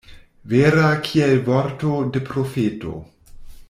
Vera kiel vorto de profeto.